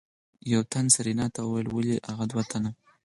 يو تن سېرېنا ته وويل ولې اغه دوه تنه.